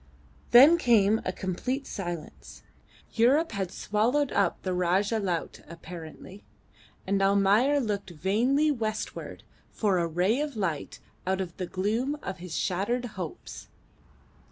Then came a complete silence. Europe had swallowed up the Rajah Laut apparently, and Almayer looked vainly westward for a ray of light out of the gloom of his shattered hopes.